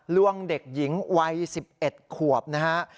วงเด็กหญิงวัย๑๑ขวบนะฮะ